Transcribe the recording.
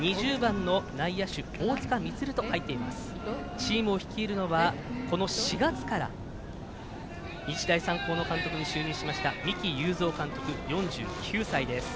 チームを率いるのはこの４月から日大三高の監督に就任しました三木有造監督、４９歳です。